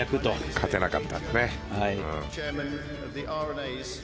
勝てなかったね。